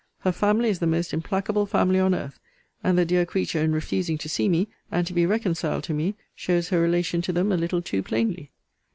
Her family is the most implacable family on earth; and the dear creature, in refusing to see me, and to be reconciled to me, shows her relation to them a little too plainly.